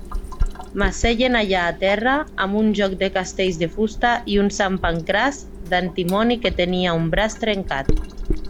M'asseien allà a terra, amb un joc de castells de fusta i un Sant Pancràs d'antimoni que tenia un braç trencat.